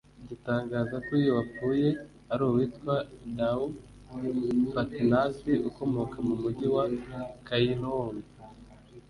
gitangaza ko uyu wapfuye ari uwitwa Dhaou Fatnassi ukomoka mu mujyi wa Kairouan